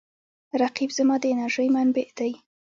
رقیب زما د انرژۍ منبع دی